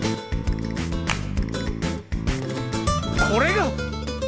これが！